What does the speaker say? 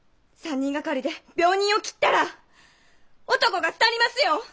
３人がかりで病人を斬ったら男がすたりますよ！